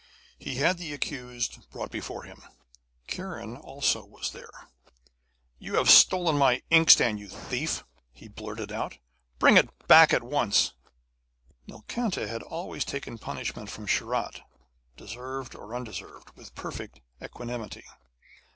He had the accused brought before him. Kiran also was there. 'You have stolen my inkstand, you thief!' he blurted out. 'Bring it back at once.' Nilkanta had always taken punishment from Sharat, deserved or undeserved, with perfect equanimity.